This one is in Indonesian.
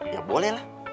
ya boleh lah